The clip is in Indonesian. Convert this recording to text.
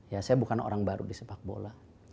ya saya bukan orang baru di sepak bola